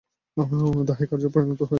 তাহাই কার্যে পরিণত ধর্ম, তাহাই মুক্তি।